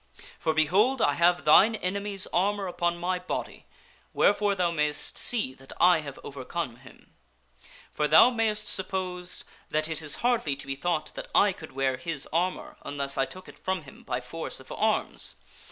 For, behold ! I have thine enemy's armor upon my body, wherefore thou mayst see that I have overcome him. For thou mayst suppose that it is hardly to be thought that I could wear his armor unless I took it from him by force of arms.